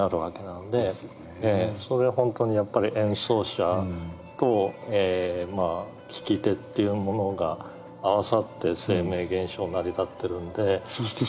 それは本当にやっぱり演奏者と聴き手っていうものが合わさって生命現象は成り立ってるんで。